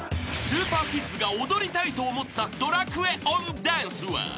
［スーパーキッズが踊りたいと思った『ドラクエ』音ダンスは？］